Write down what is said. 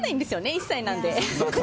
１歳なので。